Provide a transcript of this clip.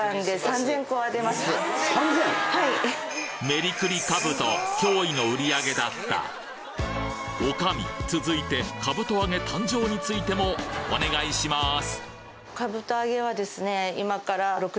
メリクリかぶと驚異の売上だった女将続いてかぶと揚げ誕生についてもお願いします！